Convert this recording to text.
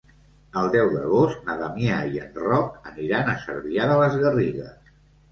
El deu d'agost na Damià i en Roc aniran a Cervià de les Garrigues.